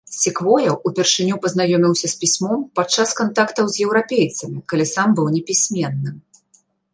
Секвоя ўпершыню пазнаёміўся з пісьмом падчас кантактаў з еўрапейцамі, калі сам быў непісьменным.